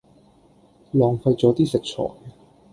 浪費左啲食材